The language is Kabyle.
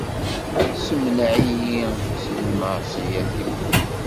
Semneɛ-iyi si lmeɛṣiyat-iw.